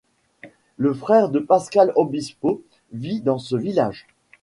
Le frère de Pascal Obispo vit dans ce village.